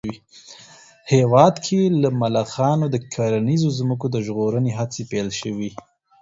هېواد کې له ملخانو د کرنیزو ځمکو د ژغورنې هڅې پيل شوې